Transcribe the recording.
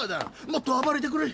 もっと暴れてくれ。